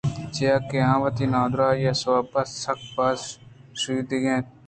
چیا کہ آ وتی نادرٛاہی ءِ سَوَبءَ سکّ باز شُدیک اَت